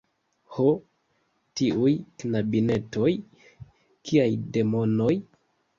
Ho! tiuj knabinetoj! Kiaj demonoj!